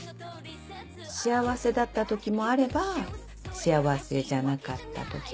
幸せだった時もあれば幸せじゃなかった時もある。